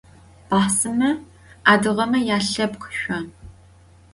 Baxhsıme adıgeme yalhepkh şson.